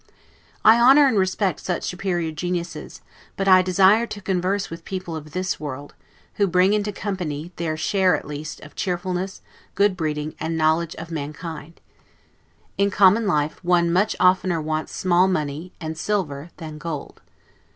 I honor and respect such superior geniuses; but I desire to converse with people of this world, who bring into company their share, at least, of cheerfulness, good breeding, and knowledge of mankind. In common life, one much oftener wants small money, and silver, than gold.